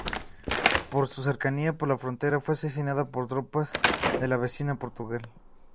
Por su cercanía con la frontera, fue asediada por tropas de la vecina Portugal.